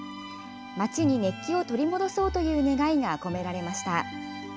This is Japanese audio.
街に熱気を取り戻そうという願いが込められました。